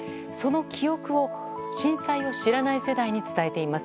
その記憶を震災を知らない世代に伝えています。